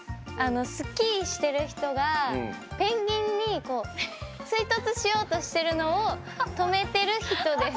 スキーしてる人がペンギンに追突しようとしてるのを止めてる人です。